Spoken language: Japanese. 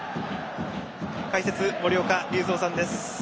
解説は森岡隆三さんです。